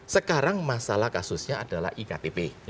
sekarang masalah kasusnya adalah iktp